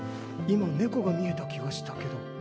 今猫が見えた気がしたけど。